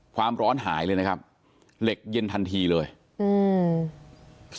ความร้อนหายเลยนะครับเหล็กเย็นทันทีเลยอืม